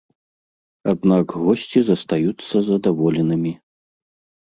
Аднак госці застаюцца задаволенымі.